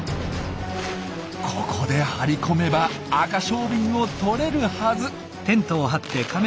ここで張り込めばアカショウビンを撮れるはず。